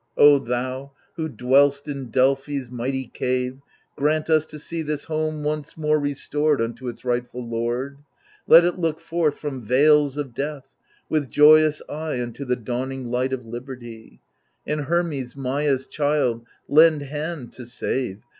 THE LIBATION BEARERS 119 O thou who dwell'st in Delphi's mighty cave, Grant us to see this home once more restored Unto its rightful lord ! Let it look forth, from veils of death, with joyous eye Unto the dawning light of liberty ; And Hermes, Maia's child, lend hand to save.